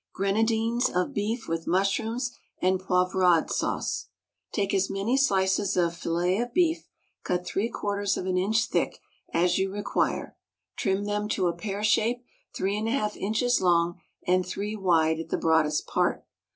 Grenadines of Beef with Mushrooms and Poivrade Sauce. Take as many slices of fillet of beef, cut three quarters of an inch thick, as you require. Trim them to a pear shape, three and a half inches long and three wide at the broadest part.